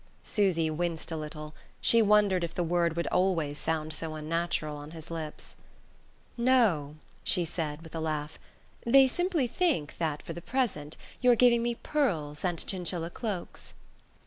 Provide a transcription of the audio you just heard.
Susy winced a little: she wondered if the word would always sound so unnatural on his lips. "No," she said, with a laugh, "they simply think, for the present, that you're giving me pearls and chinchilla cloaks."